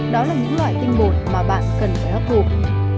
đó là những loại tinh bột mà bạn cần phải hấp thụ